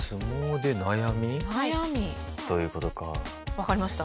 わかりました？